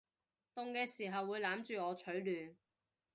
凍嘅時候會攬住我取暖